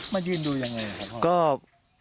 มายืนดูยังไงครับหลวงพ่อ